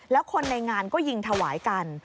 แล้วคนในงานก็ยิงถวายกัน